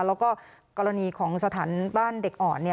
แล้วก็กรณีของสถานบ้านเด็กอ่อน